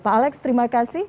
pak alex terima kasih